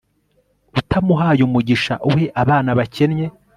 utamuhaye umugisha, uhe abana bakennye